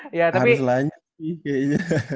harus lanjut sih kayaknya